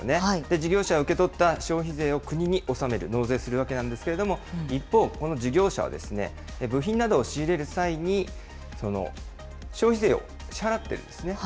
事業者は受け取った消費税を国に納める、納税するわけなんですけれども、一方、この事業者は部品などを仕入れる際に、消費税を支払ってるんですね。